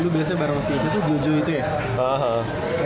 lu biasanya bareng si jojo itu ya